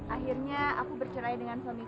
akhirnya aku bercerai dengan suamiku